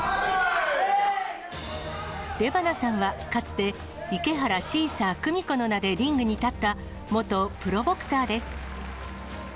出花さんはかつて、池原シーサー久美子の名でリングに立った、元プロボクサーです。